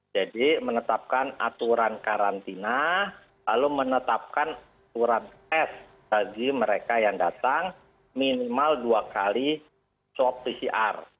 jadi menetapkan aturan karantina lalu menetapkan aturan s bagi mereka yang datang minimal dua kali swab pcr